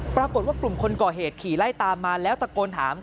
ปรากฏว่ากลุ่มคนก่อเหตุขี่ไล่ตามมาแล้วตะโกนถาม